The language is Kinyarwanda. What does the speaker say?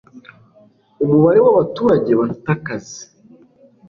umubare w'abaturage bafite akazi